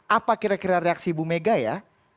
apa kira kira reaksi ibu mega ya